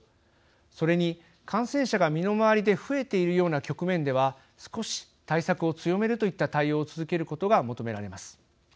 それに、感染者が身の回りで増えているような局面では少し対策を強めるといった対応を続けることが求められます。